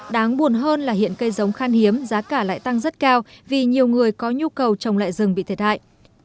đáng buồn hơn là hiện cây giống khan hiếm giá cả lại tăng rất cao vì nhiều người có nhu cầu trồng lại rừng bị thiệt hại